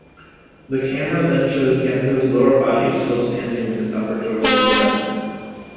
The camera then shows Gendo's lower body still standing with his upper torso severed.